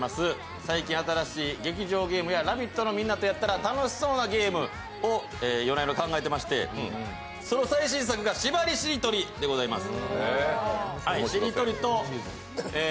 最近新しい劇場ゲームや「ラヴィット！」のみんなとやったら楽しそうなゲームを夜な夜な考えていましてその最新作がしばりしりとりでございます。